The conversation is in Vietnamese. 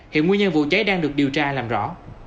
hiện nguyên nhân vụ cháy đang được điều tra làm rõ